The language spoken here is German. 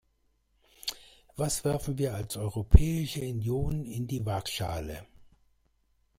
Was werfen wir als Europäische Union in die Waagschale?